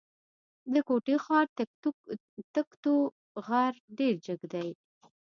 د کوټي ښار تکتو غر ډېر جګ دی.